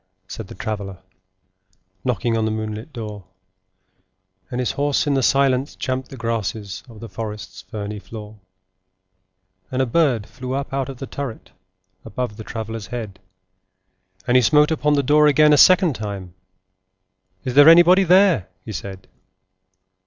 said the Traveller, Knocking on the moonlit door; And his horse in the silence champed the grasses Of the forest's ferny floor: And a bird flew up out of the turret, Above the Traveller's head: And he smote upon the door again a second time; 'Is there anybody there?' he said.